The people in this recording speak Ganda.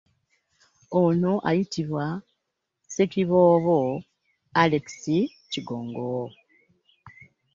Ono ayitibwa Ssekiboobo Alex Kigongo.